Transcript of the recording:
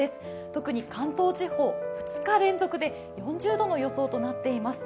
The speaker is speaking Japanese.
特に関東地方、２日連続で４０度の予想となっています。